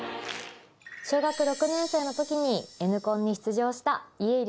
小学６年生の時にＮコンに出場した家入レオです。